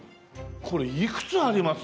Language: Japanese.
これいくつあります？